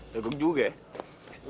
lo keungguh gini